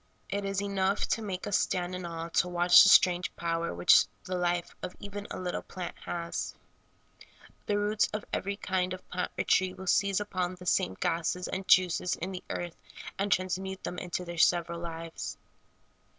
It is enough to make us stand in awe to watch the strange power which the life of even a little plant has. The roots of SOUL FOOD. 9 every kind of plant or tree will seize upon the same gases and juices in the earth and transmute them into their several lives.